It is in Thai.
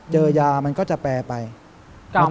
ก็เอาไม่ทันแล้ว